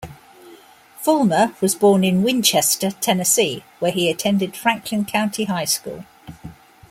Fulmer was born in Winchester, Tennessee, where he attended Franklin County High School.